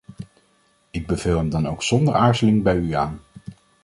Ik beveel hem dan ook zonder aarzeling bij u aan.